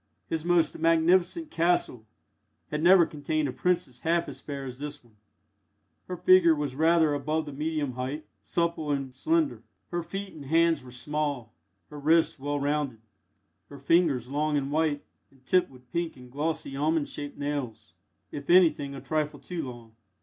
His most magnificent "castle" had never contained a princess half as fair as this one. Her figure was rather above the medium height, supple and slender. Her feet and hands were small, her wrists well rounded, her fingers long and white, and tipped with pink and glossy almond shaped nails if anything a trifle too long.